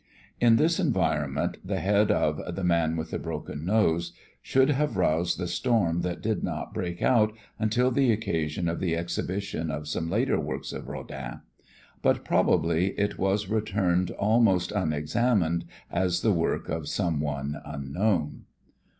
In this environment the head of "The Man with the Broken Nose" should have roused the storm that did not break out until the occasion of the exhibition of some later works of Rodin. But probably it was returned almost unexamined as the work of some one unknown.